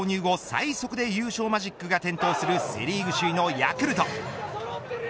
最速で優勝マジックが点灯するセ・リーグ首位のヤクルト。